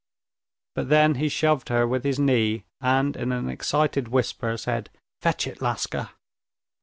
But then he shoved her with his knee, and in an excited whisper said, "Fetch it, Laska."